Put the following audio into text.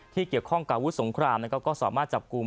ที่เกี่ยวข้องกับวู้สงครามแล้วก็ก็สามารถจับกลุ่ม